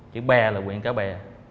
chữ bè là quyện cái bè